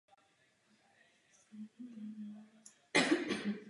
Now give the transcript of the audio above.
Zástavba vesnice pak byla zbořena s výjimkou budovy mešity a školy.